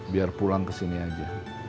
biar pulang ke sini aja